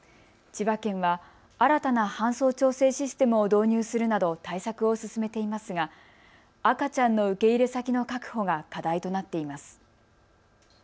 千葉県は新たな搬送調整システムを導入するなど対策を進めていますが赤ちゃんの受け入れ先の確保が課題となっています。